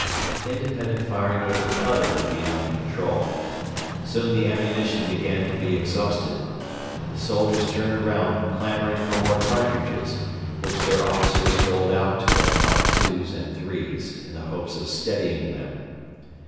The independent firing was utterly beyond control. Soon the ammunition began to be exhausted, and the soldiers turned round clamouring for more cartridges, which their officers doled out to them by twos and threes in the hopes of steadying them.